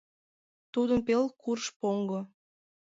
Тудын пел курш поҥго.